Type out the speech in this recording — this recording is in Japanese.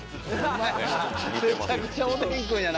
めちゃくちゃ「おでんくん」やな